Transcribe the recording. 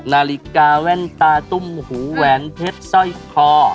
นาฬิกาแว่นตาตุ้มหูแหวนเพชรสร้อยคอ